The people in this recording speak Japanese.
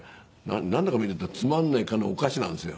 なんだか見るとつまんないお菓子なんですよ。